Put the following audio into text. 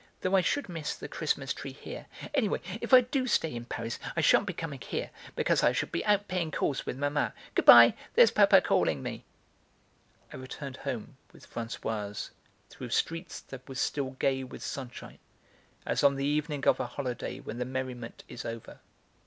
Though I should miss the Christmas tree here; anyhow, if I do stay in Paris, I sha'n't be coming here, because I shall be out paying calls with Mamma. Good bye there's Papa calling me." I returned home with Françoise through streets that were still gay with sunshine, as on the evening of a holiday when the merriment is over.